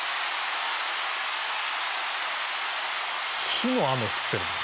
火の雨降ってるもん。